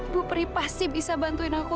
ibu peri pasti bisa bantuin aku